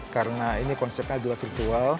karena ini konsepnya adalah virtual